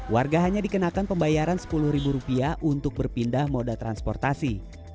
warga hanya dikenakan pembayaran rp sepuluh untuk berpindah moda transportasi